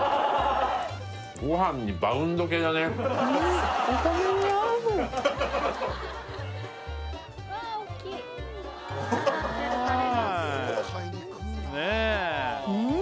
ご飯にバウンド系だねうん